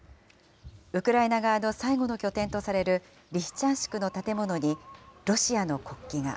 ウクライナ側の最後の拠点とされるリシチャンシクの建物にロシアの国旗が。